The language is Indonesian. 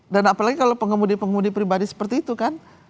dan apalagi kalau pengemudi pengemudi pribadi seperti itu kan